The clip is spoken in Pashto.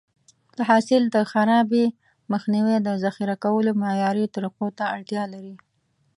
د حاصل د خرابي مخنیوی د ذخیره کولو معیاري طریقو ته اړتیا لري.